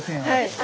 はい。